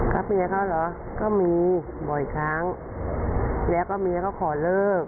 เมียเขาเหรอก็มีบ่อยครั้งแล้วก็เมียเขาขอเลิก